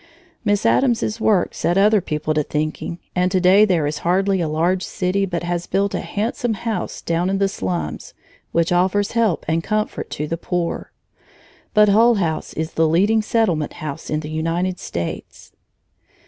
Miss Addams's work set other people to thinking, and to day there is hardly a large city but has built a handsome house down in the slums which offers help and comfort to the poor. But Hull House is the leading settlement house in the United States.